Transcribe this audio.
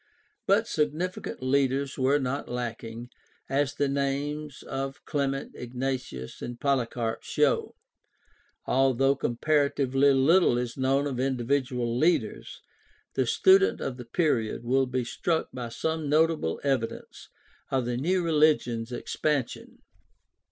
But significant leaders were not lacking, as the names of Clement, Ignatius, and Polycarp show. Although comparatively little is known of individual leaders, the student of the period will be struck by some notable evidences of the new religion's expansion.